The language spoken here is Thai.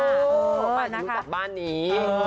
อยู่สำหรับบ้านนี้